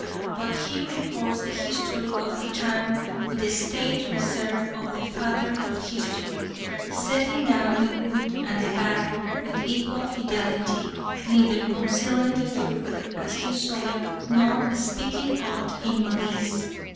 But he records the history of the time with the staid reserve of the "Father of History," setting down the good and the bad with equal fidelity, neither concealing the truth as he saw it, nor speaking aught in malice.